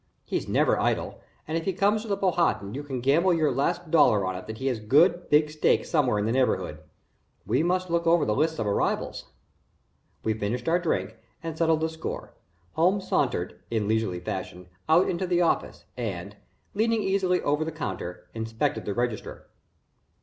He's never idle, and if he comes to the Powhatan you can gamble your last dollar on it that he has a good, big stake somewhere in the neighborhood. We must look over the list of arrivals." We finished our drink and settled the score. Holmes sauntered, in leisurely fashion, out into the office, and, leaning easily over the counter, inspected the register.